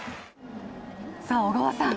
さあ、小川さん。